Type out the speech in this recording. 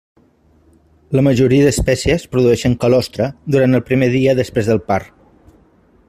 La majoria d'espècies produeixen calostre durant el primer dia després del part.